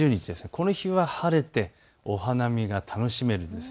この日は晴れてお花見が楽しめる。